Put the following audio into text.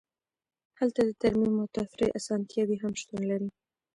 هلته د ترمیم او تفریح اسانتیاوې هم شتون لري